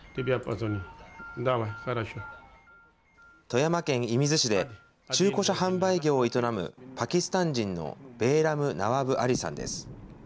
富山県射水市で中古車販売業を営むパキスタン人のベーラム・ナワブ・アリさんです。